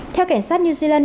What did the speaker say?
theo cảnh sát new zealand